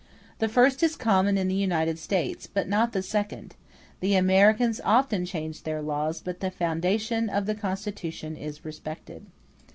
The first is common in the United States, but not the second: the Americans often change their laws, but the foundation of the Constitution is respected.